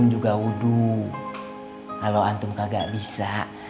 jangan khawatir eh